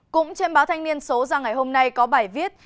cũng trên báo thanh niên số ra ngày hôm nay có bài viết